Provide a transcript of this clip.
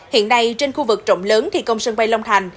hiện nay trên khu vực trộm lớn thì công sân bay long thành